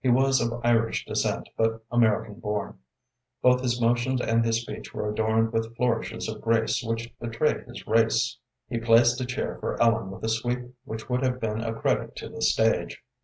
He was of Irish descent but American born. Both his motions and his speech were adorned with flourishes of grace which betrayed his race. He placed a chair for Ellen with a sweep which would have been a credit to the stage.